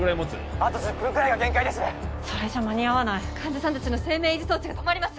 あと１０分くらいが限界それじゃ間に合わない患者さん達の生命維持装置が止まります